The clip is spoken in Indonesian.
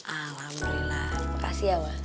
alhamdulillah makasih ya wak